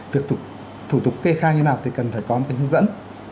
việc thủ tục kê khai như nào thì cần phải có một cái hướng dẫn